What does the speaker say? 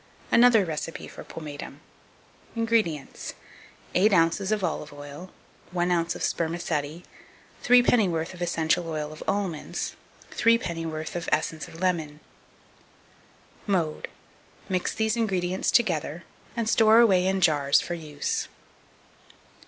Another Recipe for Pomatum. 2254. INGREDIENTS. 8 oz. of olive oil, 1 oz. of spermaceti, 3 pennyworth of essential oil of almonds, 3 pennyworth of essence of lemon. Mode. Mix these ingredients together, and store away in jars for use.